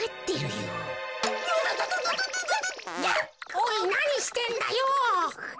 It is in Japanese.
おいなにしてんだよ。